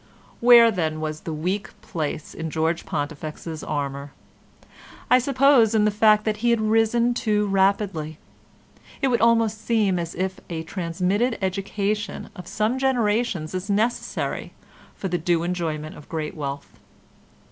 Where then was the weak place in George Pontifex's armour? I suppose in the fact that he had risen too rapidly. It would almost seem as if a transmitted education of some generations is necessary for the due enjoyment of great wealth.